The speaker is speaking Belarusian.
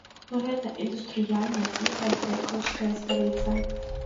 Гэта індустрыяльная і хайтэкаўская сталіца.